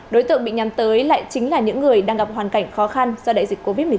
đối tượng bị nhắm tới lại chính là những người đang gặp hoàn cảnh khó khăn do đại dịch covid một mươi chín